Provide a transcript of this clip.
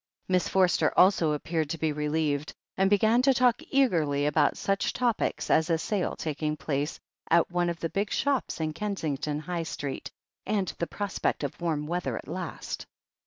Miss Forster also appeared to be relieved, and began to talk eagerly about such topics as a sale taking place 222 THE HEEL OF ACHILLES at one of the big shops in Kensington High Street, and the prospect of warm weather at last.